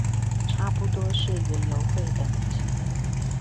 差不多是園遊會等級